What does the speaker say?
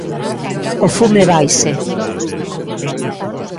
O fume vaise.